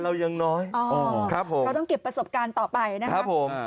เราต้องเก็บประสบการณ์ต่อไปนะครับครับผม